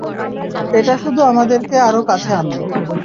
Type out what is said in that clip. এটা শুধু আমাদেরকে আরও কাছে আনল।